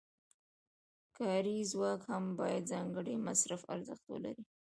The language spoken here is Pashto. کاري ځواک هم باید ځانګړی مصرفي ارزښت ولري